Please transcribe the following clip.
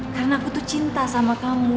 karena aku tuh cinta sama kamu